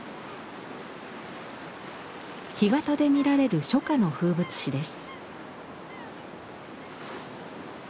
干潟で見られる初夏の風物詩です。